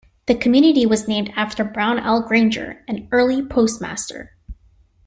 The community was named after Brown L. Granger, an early postmaster.